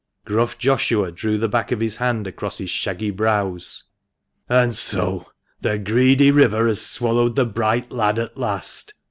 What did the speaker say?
Gruff Joshua drew the back of his hand across his shaggy brows. " And so the greedy river has swallowed the bright lad at last